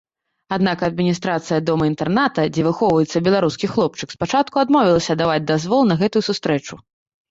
Аднак адміністрацыя дома-інтэрната, дзе выхоўваецца беларускі хлопчык, спачатку адмовілася даваць дазвол на гэтую сустрэчу.